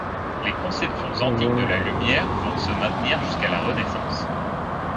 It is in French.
Les conceptions antiques de la lumière vont se maintenir jusqu'à la Renaissance.